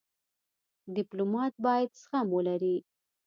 ډيپلومات باید زغم ولري.